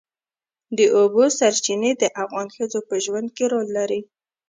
د اوبو سرچینې د افغان ښځو په ژوند کې رول لري.